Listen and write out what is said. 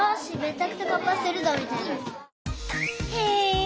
へえ。